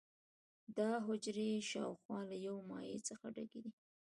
دا حجرې شاوخوا له یو مایع څخه ډکې دي.